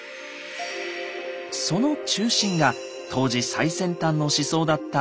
その中心が当時最先端の思想だった「仏教」です。